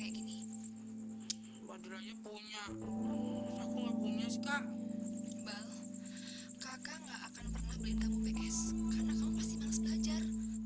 iqbal kakak gak akan pernah beliin kamu ps karena kamu pasti males belajar